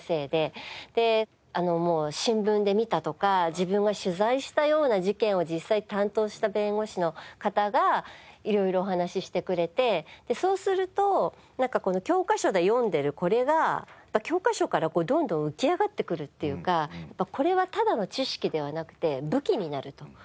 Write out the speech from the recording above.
であのもう新聞で見たとか自分が取材したような事件を実際担当した弁護士の方が色々お話ししてくれてそうするとなんかこの教科書で読んでるこれが教科書からどんどん浮き上がってくるっていうかこれはただの知識ではなくて武器になると。